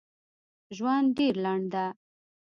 ژوند ډېر لنډ ده